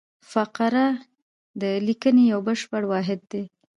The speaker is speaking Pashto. فقره د لیکني یو بشپړ واحد دئ.